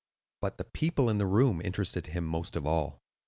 But the people in the room interested him most of all.